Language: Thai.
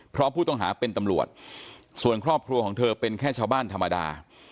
เพราะผู้ต้องหาเป็นตำรวจส่วนครอบครัวของเธอเป็นแค่ชาวบ้านธรรมดา